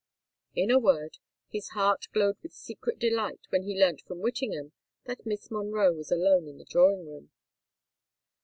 In a word, his heart glowed with secret delight when he learnt from Whittingham that Miss Monroe was alone in the drawing room.